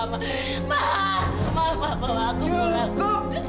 mama tidak mau dengar omongan kamu lagi